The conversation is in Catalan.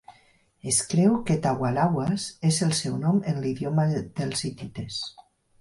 Es creu que "Tawagalawas" és el seu nom en l'idioma dels hitites.